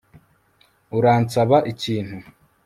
Uransaba ikintu